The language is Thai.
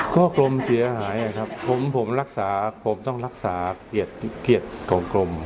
ก็กรมเสียหายนะครับผมรักษาผมต้องรักษาเกียรติของกรม